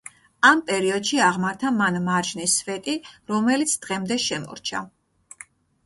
ამ პერიოდში აღმართა მან მარჯნის სვეტი, რომელიც დღემდე შემორჩა.